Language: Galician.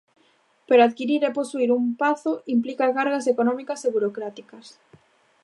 Pero adquirir e posuír un pazo implica cargas económicas e burocráticas.